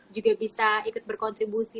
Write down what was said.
juga bisa ikut berkontribusi